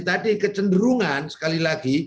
tadi kecenderungan sekali lagi